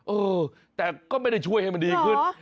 เออแต่ก็ไม่ได้ช่วยให้มันดีขึ้น